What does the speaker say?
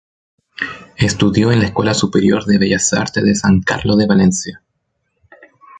Estudió en la Escuela Superior de Bellas Artes de San Carlos de Valencia.